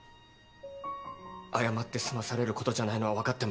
謝って済まされることじゃないのはわかってます。